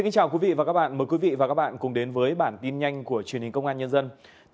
chào mừng quý vị đến với bản tin nhanh của truyền hình công an nhân dân